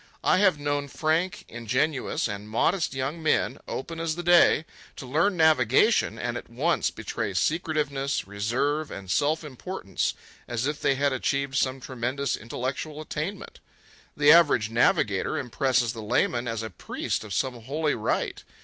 I have known frank, ingenuous, and modest young men, open as the day, to learn navigation and at once betray secretiveness, reserve, and self importance as if they had achieved some tremendous intellectual attainment. The average navigator impresses the layman as a priest of some holy rite.